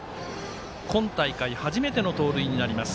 今大会、初めての盗塁になります